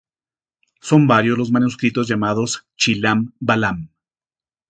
Son varios los manuscritos llamados "Chilam balam".